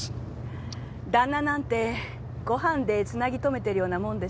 だんななんてご飯でつなぎ留めてるようなもんでしょ。